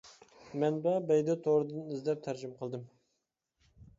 مەنبە: بەيدۇ تورىدىن ئىزدەپ تەرجىمە قىلدىم.